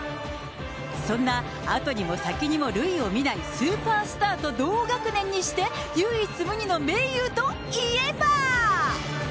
そんな後にも先にも類を見ないスーパースターと同学年にして、唯一無二の盟友といえば。